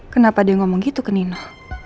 kenapa dia ngomong gitu ke nino